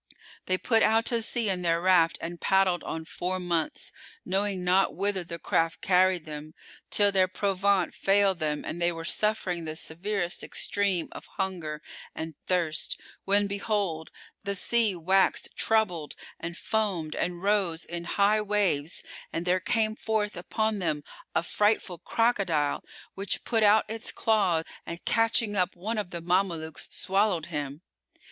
They put out to sea in their raft and paddled on four months, knowing not whither the craft carried them, till their provaunt failed them and they were suffering the severest extreme of hunger and thirst, when behold, the sea waxed troubled and foamed and rose in high waves, and there came forth upon them a frightful crocodile,[FN#407] which put out its claw and catching up one of the Mamelukes swallowed him.